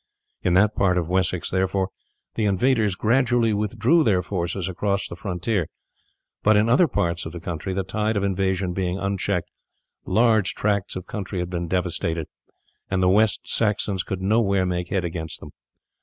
In that part of Wessex, therefore, the invaders gradually withdrew their forces across the frontier; but in other parts of the country, the tide of invasion being unchecked, large tracts of country had been devastated, and the West Saxons could nowhere make head against them.